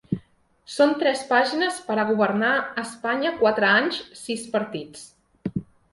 Són tres pàgines per a governar Espanya quatre anys sis partits.